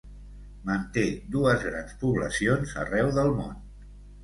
Manté dues grans poblacions arreu del món.